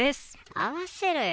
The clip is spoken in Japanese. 合わせろよ。